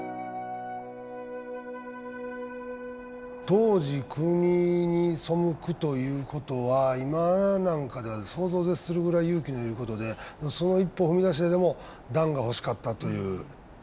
当時国に背くということは今なんかでは想像を絶するぐらい勇気のいることでその一歩を踏み出してでも暖が欲しかったという。